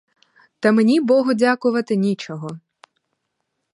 Та мені, богу дякувати, нічого!